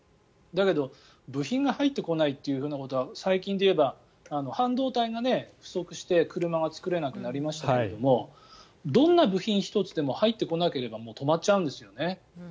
だけど部品が入ってこないということは最近でいえば半導体が不足して車が作れなくなりましたけれどもどんな部品１つでも入ってこなければ止まっちゃうんですよね。